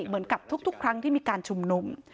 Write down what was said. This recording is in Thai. เหมือนกับทุกครั้งที่มีการชุมนุม